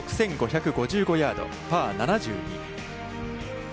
６５５５ヤード、パー７２。